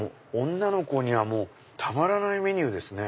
女の子にはたまらないメニューですね。